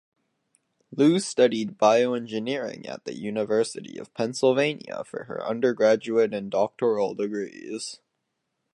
Lu studied bioengineering at the University of Pennsylvania for her undergraduate and doctoral degrees.